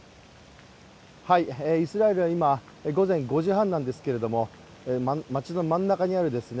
イスラエルは今午前５時半なんですけれども街の真ん中にあるですね